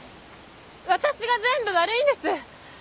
私が全部悪いんです。